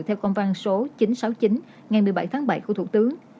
theo công văn số chín trăm sáu mươi chín ngày một mươi bảy tháng bảy của thủ tướng